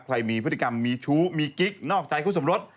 ใครมีพฤติกรรมมีชู้มีกิ๊กนอกใจคู่สมรส